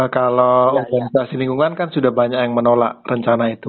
kalau organisasi lingkungan kan sudah banyak yang menolak rencana itu